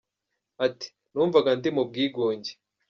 Ati “ Numvaga ndi mu bwigunge.